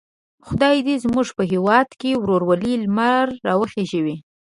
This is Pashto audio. خدای دې زموږ په هیواد کې د ورورولۍ لمر را وخېژوي.